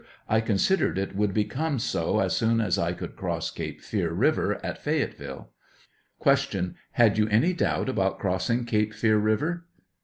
I considered it would become so as soon as 1 could cross Cape Fear Eiver at Fayetteville. Q. Had you any doubt about crossing Cape Fear river?